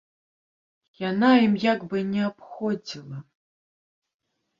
Яна ім як бы не абходзіла.